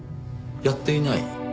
やっていない？